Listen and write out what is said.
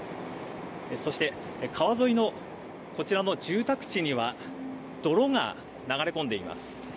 そして、川沿いのこちらの住宅地には泥が流れ込んでいます。